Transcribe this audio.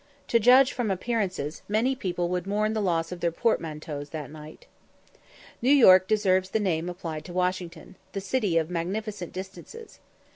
To judge from appearances, many people would mourn the loss of their portmanteaus that night. New York deserves the name applied to Washington, "the city of magnificent distances."